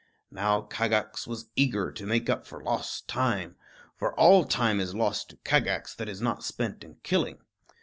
Now Kagax was eager to make up for lost time; for all time is lost to Kagax that is not spent in killing.